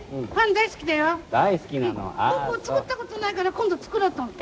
僕作ったことないから今度作ろうと思って。